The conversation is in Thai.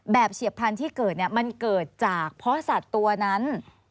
เฉียบพันธุ์ที่เกิดมันเกิดจากเพราะสัตว์ตัวนั้น